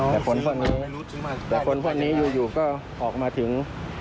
แต่คนพวกนี้แต่คนพวกนี้อยู่ก็ออกมาถึง